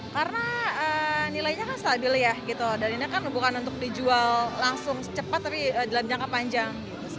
karena nilainya kan stabil ya dan ini kan bukan untuk dijual langsung secepat tapi dalam jangka panjang